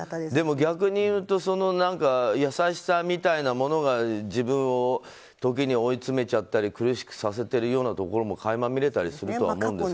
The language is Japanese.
逆に言うとその優しさみたいなものが自分を時に追い詰めちゃったり苦しくさせてるようなところも垣間見れたりするとは思うんですが。